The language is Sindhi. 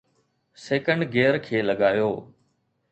سيڪنڊ گيئر کي لڳايو